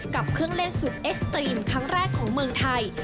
กับเครื่องเล่นสุดเอ็กซ์ตรีมครั้งแรกของเมืองไทย